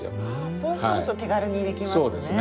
そうすると手軽にできますね。